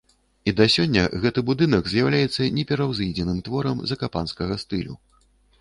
І да сёння гэты будынак з'яўляецца непераўзыдзеным творам закапанскага стылю.